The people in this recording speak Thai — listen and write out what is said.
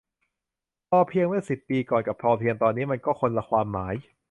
พอเพียง เมื่อสิบปีก่อน กับ พอเพียง ตอนนี้ มันก็คนละความหมาย